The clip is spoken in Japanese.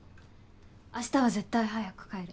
明日は絶対早く帰る。